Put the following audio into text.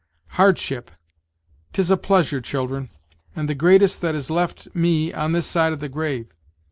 "Hardship! 'tis a pleasure, children, and the greatest that is left me on this side the grave."